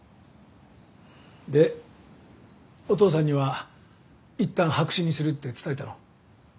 でお父さんには一旦白紙にするって伝えたの？